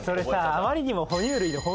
あまりにも。